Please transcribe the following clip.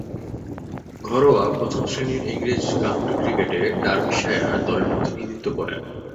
ঘরোয়া প্রথম-শ্রেণীর ইংরেজ কাউন্টি ক্রিকেটে ডার্বিশায়ার দলের প্রতিনিধিত্ব করেন।